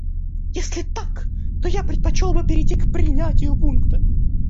Если так, то я предпочел бы перейти к принятию пункта.